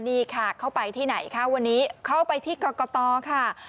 นี่ค่ะเข้าไปที่ไหนคะวันนี้เข้าไปที่กรกตค่ะ